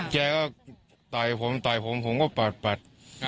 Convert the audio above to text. แกก็ต่อยผมต่อยผมผมก็ปาดปัด